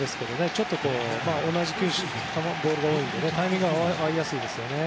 ちょっと同じボールが多いのでタイミングが合いやすいですね。